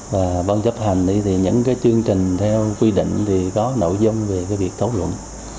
và bán chấp hành thì những chương trình theo quy định thì có nội dung về việc thấu luận